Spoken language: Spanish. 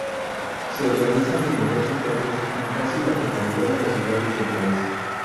Se organizan numerosos bailes en casi la totalidad de las ciudades del país.